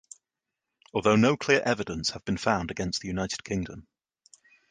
Although no clear evidence have been found against the United Kingdom.